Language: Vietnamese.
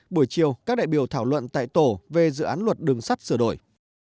buổi chiều các đại biểu thảo luận tại tổ về dự án luật đường sắt sửa đổi